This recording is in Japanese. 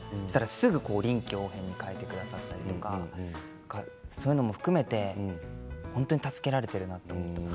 すぐに臨機応変に変えてくださったりそういうのも含めて本当に助けられているなと思います。